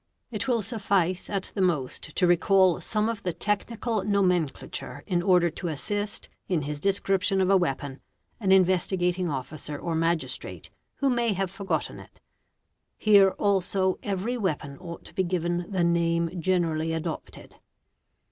It will suffice at the most to recall some of the technical nomenclature in order to assist, in his description of a weapon, an Investigating Officer or Magistrate who may have for gotten it. Here also every weapon ought to be given the name generally adopted.